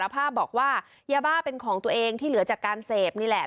เป็นของตัวเองที่เหลือจากการเสพนี่แหละ